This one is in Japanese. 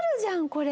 これ。